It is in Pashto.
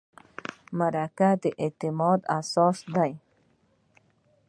مرکه د اعتماد اساس دی.